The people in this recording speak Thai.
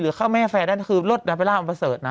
หรือข้าวแม่แฟร์ด้านคือลดนะเป็นร่าอัมปาเสิร์ตนะ